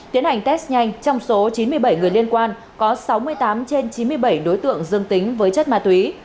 tiến hành test nhanh trong số chín mươi bảy người liên quan có sáu mươi tám trên chín mươi bảy đối tượng dương tính với chất ma túy